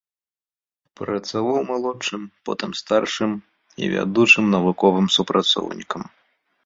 Працаваў малодшым, потым старшым і вядучым навуковым супрацоўнікам.